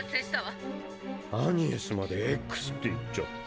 アニエスまでＸって言っちゃって。